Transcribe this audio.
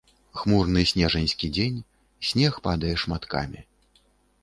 Хмурны снежаньскі дзень, снег падае шматкамі.